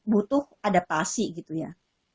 butuh adaptasi gitu ya